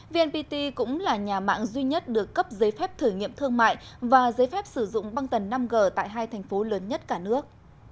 vnpt cũng là nhà mạng duy nhất được cấp giấy phép thử nghiệm thương mại và giấy phép sử dụng băng tần năm g tại hai thành phố lớn nhất cả nước